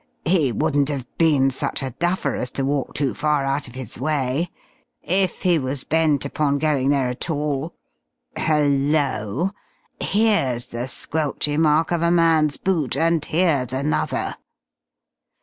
He wouldn't have been such a duffer as to walk too far out of his way if he was bent upon going there at all.... Hello! Here's the squelchy mark of a man's boot, and here's another!"